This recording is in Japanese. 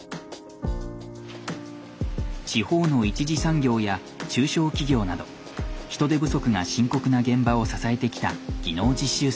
地方の一次産業や中小企業など人手不足が深刻な現場を支えてきた技能実習生。